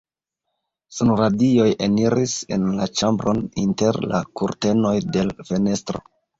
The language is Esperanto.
Sunradioj eniris en la ĉambron inter la kurtenoj de l' fenestro.